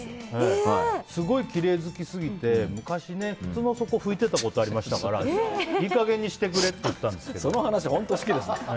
すごいきれい好き過ぎて昔、靴の底を拭いてたことありましたからいい加減にしてくれってその話、本当に好きですね。